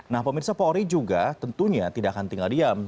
nah pemirsa polri juga tentunya tidak akan tinggal diam